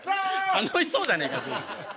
楽しそうじゃねえか随分。